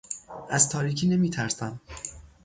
از تاریکی نمیترسم.